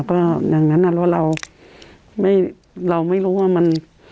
เพราะว่าอย่างนั้นเราไม่รู้ว่ามัน